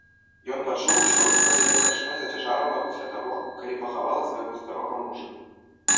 Ён пачуў, што гаспадыня карчмы зацяжарала пасля таго, калі пахавала свайго старога мужа.